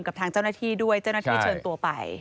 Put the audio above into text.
กับทางเจ้าหน้าที่ด้วยเจ้าหน้าที่เชิญตัวไป